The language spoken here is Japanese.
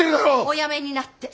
おやめになって。